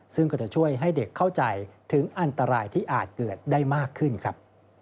ซึ่งก็จะช่วยให้เด็กเข้าใจถึงอันตรายที่อาจเกิดได้มากขึ้นครับ